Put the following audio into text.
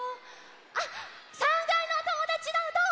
あっ３がいのおともだちはどう？